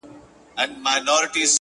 • يوه ورځ پر دغه ځمکه -